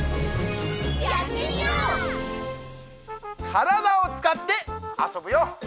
からだをつかってあそぶよ！